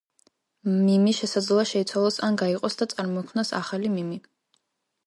მიმი შესაძლოა შეიცვალოს ან გაიყოს და წარმოქმნას ახალი მიმი.